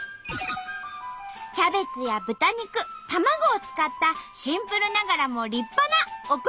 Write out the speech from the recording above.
キャベツや豚肉卵を使ったシンプルながらも立派なお好み焼き。